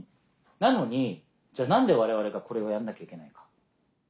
なのに何で我々がこれをやんなきゃいけないか。